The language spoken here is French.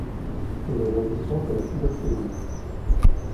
Elle est résistante à la tuberculose.